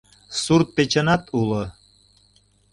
Сурт-печынат уло.